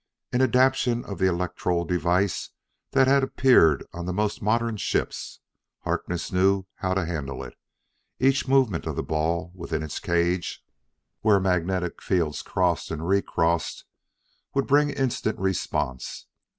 An adaptation of the electrol device that had appeared on the most modern ships, Harkness knew how to handle it. Each movement of the ball within its cage, where magnetic fields crossed and recrossed, would bring instant response.